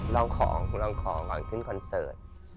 ลองของก่อนขึ้นคอนเซิร์ต